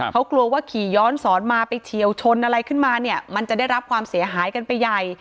เขากลัวว่าขี่ย้อนสอนมาไปเฉียวชนอะไรขึ้นมาเนี่ยมันจะได้รับความเสียหายกันไปใหญ่